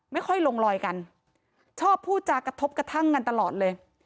ไม่ค่อยลงลอยกันชอบพูดจากกระทบกระทั่งกันตลอดเลย